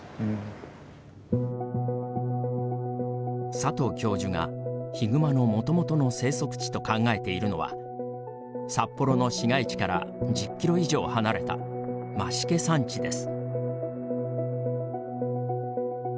佐藤教授がヒグマのもともとの生息地と考えているのは札幌の市街地から１０キロ以上離れた増毛山地です。